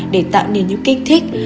để tạo nên những kinh thích